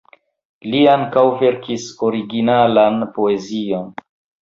Li ankaŭ verkis originalan poezion.